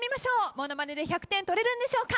ものまねで１００点取れるんでしょうか？